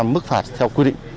năm mươi mức phạt theo quy định